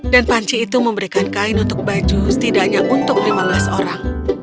dan panci itu memberikan kain untuk baju setidaknya untuk lima belas orang